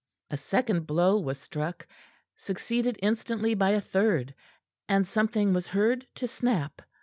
A second blow was struck, succeeded instantly by a third, and something was heard to snap.